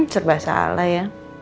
serba salah ya